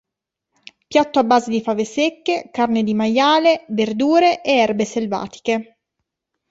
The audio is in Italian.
Piatto a base di fave secche, carne di maiale, verdure e erbe selvatiche.